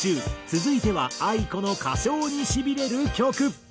続いてはａｉｋｏの歌唱にしびれる曲。